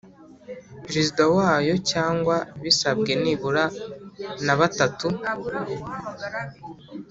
Perezida wayo cyangwa bisabwe nibura na batatu